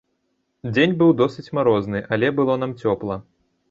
Дзень быў досыць марозны, але было нам цёпла.